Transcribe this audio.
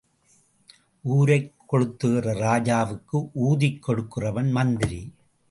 ஊரைக் கொளுத்துகிற ராஜாவுக்கு ஊதிக் கொடுக்கிறவன் மந்திரி.